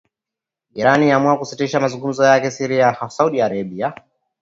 Iran yaamua kusitisha mazungumzo yake ya siri na Saudi Arabia.